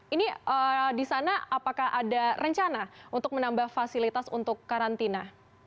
ini di sana apakah ada rencana untuk menambah fasilitas untuk karantina